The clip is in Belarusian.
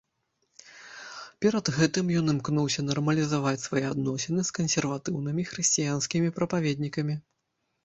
Перад гэтым ён імкнуўся нармалізаваць свае адносіны з кансерватыўнымі хрысціянскімі прапаведнікамі.